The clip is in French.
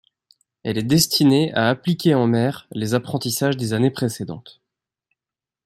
Elle est destinée à appliquer en mer les apprentissages des années précédentes.